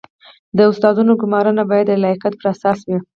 د استادانو ګمارنه باید د لیاقت پر اساس وي